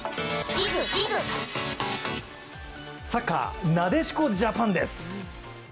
サッカー、なでしこジャパンです。